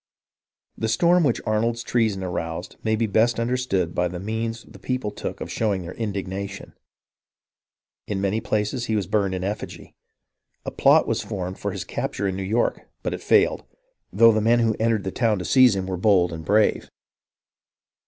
The storm which Arnold's treason aroused may be best understood by the means the people took of showing their indignation. In many places he was burned in effigy. A plot was formed for his capture in New York, but it failed, though the men who entered the town to seize him were ARNOLD AND ANDRE 299 bold and brave.